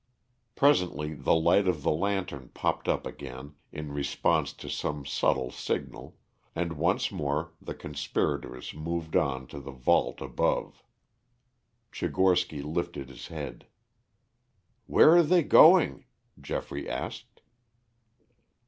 Presently the light of the lantern popped up again, in response to some subtle signal, and once more the conspirators moved on to the vault above. Tchigorsky lifted his head. "Where are they going?" Geoffrey asked.